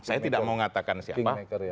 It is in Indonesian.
saya tidak mau mengatakan siapa